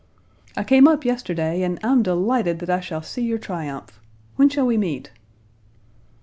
"I came up yesterday, and I'm delighted that I shall see your triumph. When shall we meet?"